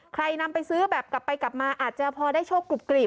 ใครนำไปซื้อกลับไปกลับมาอาจจะพอได้โชคกรีบ